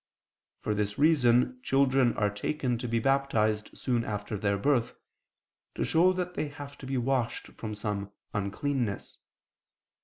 For this reason children are taken to be baptized soon after their birth, to show that they have to be washed from some uncleanness.